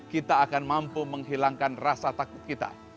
kita akan mampu menghilangkan rasa takut kita